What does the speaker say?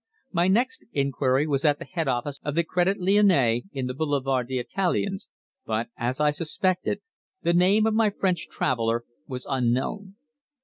My next inquiry was at the head office of the Crédit Lyonnais, in the Boulevard des Italiens, but, as I suspected, the name of my French fellow traveller was unknown.